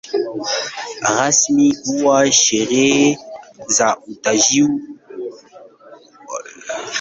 Rasmi huwa sherehe za utoaji wa tuzo mbalimbali.